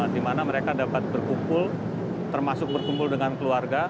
dimana mereka dapat berkumpul termasuk berkumpul dengan keluarga